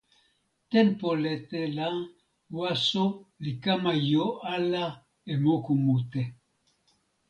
tenpo lete la waso li kama jo ala e moku mute.